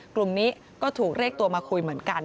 กลุ่มนี้ก็ถูกเรียกตัวมาคุยเหมือนกัน